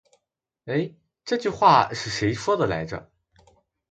欸，这句话是谁说的来着。